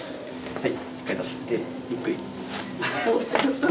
はい。